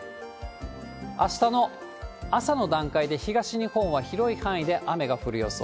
あしたの朝の段階で、東日本は広い範囲で雨が降る予想。